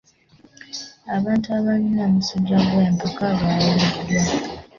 Abantu abalina omusujja gw'enkaka baawuddwa.